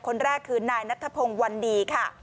ก็คือนายนัทธพงค์วันนีค่ะ